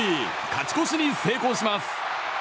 勝ち越しに成功します。